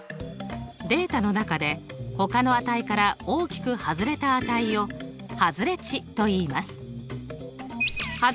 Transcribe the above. データの中で他の値から大きく外れた値を外れ値といいます。